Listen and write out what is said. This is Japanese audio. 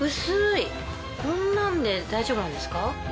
こんなんで大丈夫なんですか？